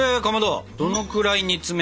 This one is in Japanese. どのくらい煮詰めますか？